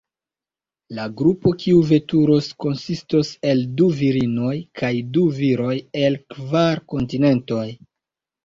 La grupo, kiu veturos, konsistos el du virinoj kaj du viroj, el kvar kontinentoj.